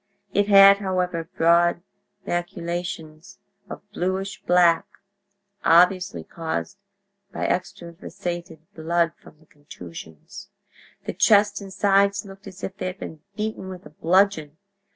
It had, however, broad maculations of bluish black, obviously caused by extravasated blood from contusions. The chest and sides looked as if they had been beaten with a bludgeon.